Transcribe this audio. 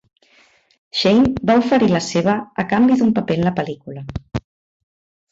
Shane va oferir la seva a canvi d'un paper en la pel·lícula.